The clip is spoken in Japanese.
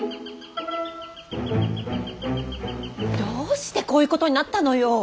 どうしてこういうことになったのよ。